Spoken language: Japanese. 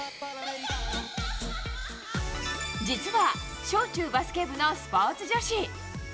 実は、小中バスケ部のスポーツ女子。